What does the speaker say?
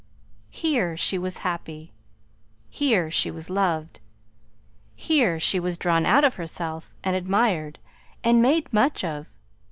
Here she was happy, here she was loved, here she was drawn out of herself and admired and made much of.